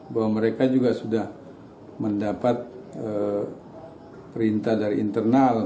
bahwa mereka juga sudah mendapat perintah dari internal